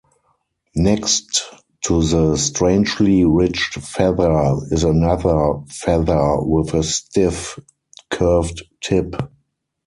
Next to the strangely ridged feather is another feather with a stiff, curved tip.